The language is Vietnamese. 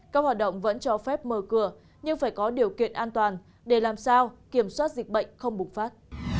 các hoạt động vẫn cho phép mở cửa nhưng phải có điều kiện an toàn để làm sao kiểm soát dịch bệnh không bùng phát